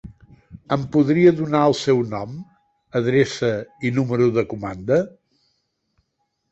Em podria donar el seu nom, adreça i número de comanda?